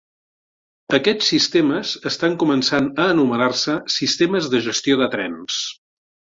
Aquests sistemes estan començant a anomenar-se sistemes de gestió de trens.